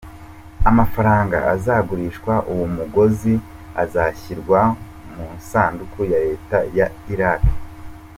Amafaranga azagurishwa uwo mugozi azashyirwa mu isanduku ya Leta ya Irak.